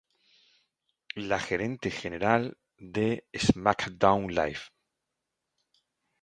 La Gerente General de SmackDown Live!